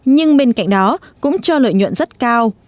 nhưng bên cạnh đó cũng cho lợi nhuận rất cao